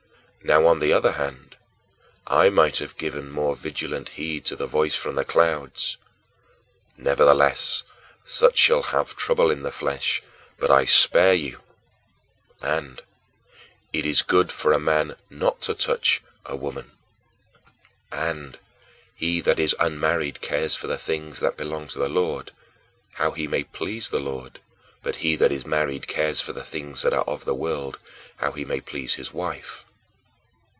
Now, on the other hand, I might have given more vigilant heed to the voice from the clouds: "Nevertheless, such shall have trouble in the flesh, but I spare you," and, "It is good for a man not to touch a woman," and, "He that is unmarried cares for the things that belong to the Lord, how he may please the Lord; but he that is married cares for the things that are of the world, how he may please his wife."